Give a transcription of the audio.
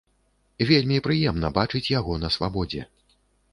Вельмі прыемна бачыць яго на свабодзе.